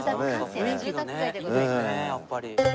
やっぱり。